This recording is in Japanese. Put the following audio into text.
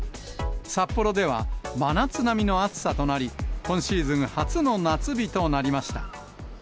札幌では真夏並みの暑さとなり、今シーズン初の夏日となりました。